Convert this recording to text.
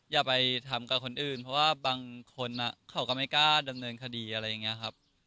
อย่าไปทำกับคนอื่นเพราะว่าบางคนเขาก็ไม่กล้าดำเนินคดีอะไรอย่างนี้ครับ